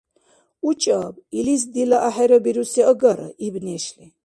— УчӀаб, илис дила ахӀерабируси агара, — иб нешли.